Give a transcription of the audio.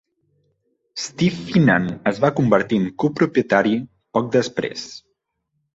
Steve Finan es va convertir en copropietari poc després.